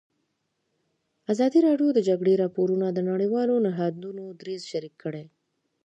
ازادي راډیو د د جګړې راپورونه د نړیوالو نهادونو دریځ شریک کړی.